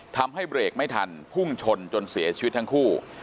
ทำให้เบรกไม่ทันพุ่งชนจนเสียชีวิตทั้งคู่